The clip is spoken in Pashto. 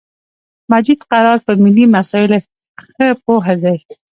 مجید قرار په ملی مسایلو خه پوهه دی